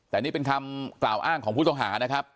แต่นี่เป็นคำกล่าวอ้างของผู้ต้องหานะครับ